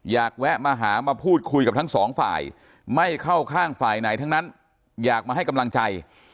แวะมาหามาพูดคุยกับทั้งสองฝ่ายไม่เข้าข้างฝ่ายไหนทั้งนั้นอยากมาให้กำลังใจ